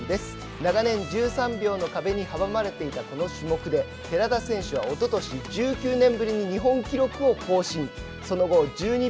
長年、１３秒の壁に阻まれていたこの種目で寺田選手はおととし１９年ぶりに日本記録を更新。